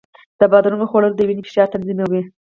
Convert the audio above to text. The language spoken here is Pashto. د بادرنګو خوړل د وینې فشار تنظیموي.